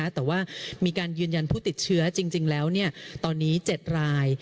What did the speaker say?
แต่ว่ามีการยืนยันผู้ติดเชื้อจริงแล้วตอนนี้๗ราย